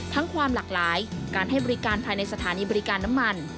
ความหลากหลายการให้บริการภายในสถานีบริการน้ำมัน